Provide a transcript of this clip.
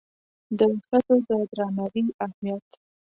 د ښځو د درناوي اهمیت